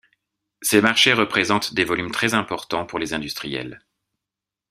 Ces marchés représentent des volumes très important pour les industriels.